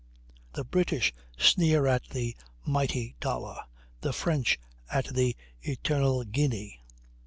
The British sneer at the "mighty dollar"; the French at the "eternal guinea."